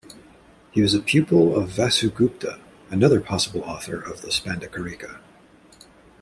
He was a pupil of Vasugupta, another possible author of the "Spanda-karika".